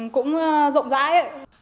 cũng rộng rãi